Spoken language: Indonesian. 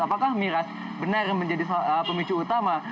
apakah miras benar menjadi pemicu utama